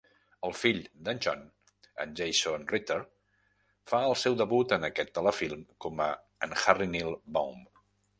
El fill d'en John, en Jason Ritter, fa el seu debut en aquest telefilm com a en Harry Neal Baum.